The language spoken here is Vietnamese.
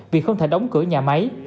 vì không thể đóng cửa nhà máy